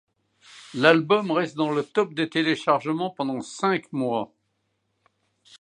L'album reste dans le top des téléchargements sur pendant cinq mois.